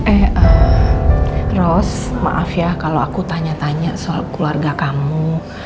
eh ros maaf ya kalau aku tanya tanya soal keluarga kamu